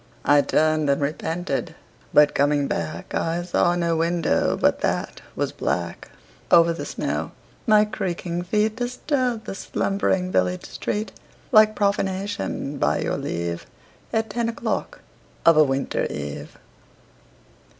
I turned and repented, but coming back I saw no window but that was black. Over the snow my creaking feet Disturbed the slumbering village street Like profanation, by your leave, At ten o'clock of a winter eve.